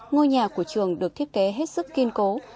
ngôi nhà của trường được thiết kế hết sức kiên cố